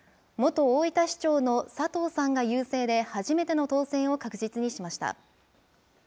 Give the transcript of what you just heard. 元大分市長の佐藤さんが優勢で、初めての当選を確実にしました。